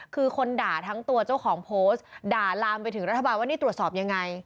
คือคนด่าทั้งตัวเจ้าของโพสต์ด่าลามไปถึงรัฐบาลว่านี่ตรวจสอบยังไง